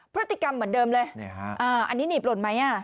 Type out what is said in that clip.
พฤติกรรมเหมือนเดิมเลยอันนี้หนีบหล่นไหมอ่ะ